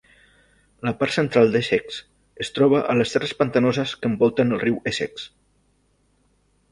La part central d'Essex es troba a les terres pantanoses que envolten el riu Essex.